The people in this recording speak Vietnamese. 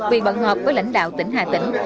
vì bận hợp với lãnh đạo tỉnh hà tĩnh